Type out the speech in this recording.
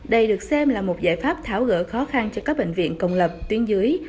đây được xem là một giải pháp tháo gỡ khó khăn cho các bệnh viện công lập tuyến dưới